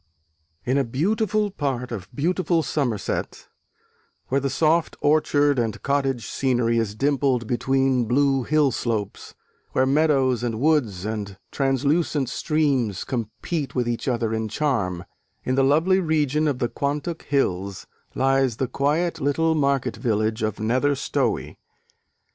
In a beautiful part of beautiful Somerset, where the "soft orchard and cottage scenery" is dimpled between blue hillslopes, where meadows and woods and translucent streams compete with each other in charm, in the lovely region of the Quantock hills, lies the quiet little market village of Nether Stowey.